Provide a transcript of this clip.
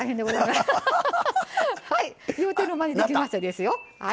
言うてる間にできましたですよ。